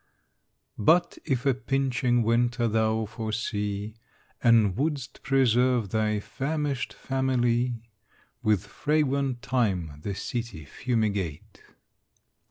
But, if a pinching winter thou foresee, And wouldst preserve thy famished family, With fragrant thyme the city fumigate.